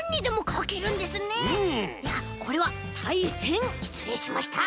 いやこれはたいへんしつれいしました。